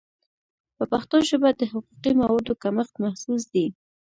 په پښتو ژبه د حقوقي موادو کمښت محسوس دی.